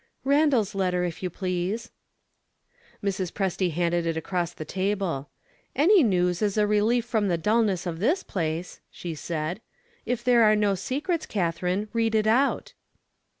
"Randal's letter, if you please." Mrs. Presty handed it across the table. "Any news is a relief from the dullness of this place," she said. "If there are no secrets, Catherine, read it out."